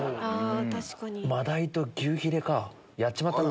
真鯛と牛ヒレかやっちまったな。